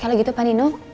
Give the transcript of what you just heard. kalau gitu pak nino